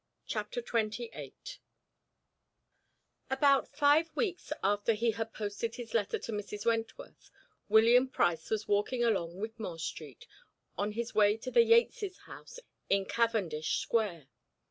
Chapter XXVII About five weeks after he had posted his letter to Mrs. Wentworth, William Price was walking along Wigmore Street, on his way to the Yates's house in Cavendish Square.